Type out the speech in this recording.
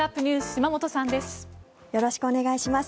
島本さんです。